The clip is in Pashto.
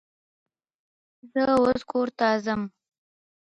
زه اوس کور ته ځم